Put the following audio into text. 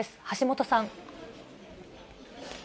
橋本さん。